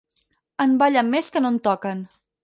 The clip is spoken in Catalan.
En ballen més que no en toquen.